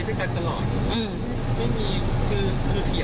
พูดจาน่ารักคุณลุงก็ใจดี